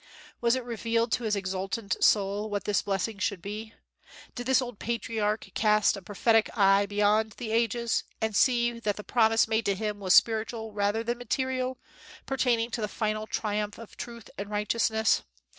Was it revealed to his exultant soul what this blessing should be? Did this old patriarch cast a prophetic eye beyond the ages, and see that the promise made to him was spiritual rather than material, pertaining to the final triumph of truth and righteousness?